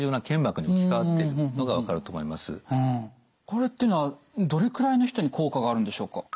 これっていうのはどれくらいの人に効果があるんでしょうか？